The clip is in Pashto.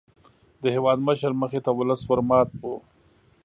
د هېوادمشر مخې ته ولس ور مات وو.